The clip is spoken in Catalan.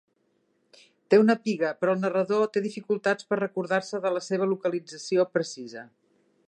Té una piga, però el narrador té dificultats per recordar-se de la seva localització precisa.